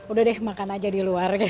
udah deh makan aja di luar gitu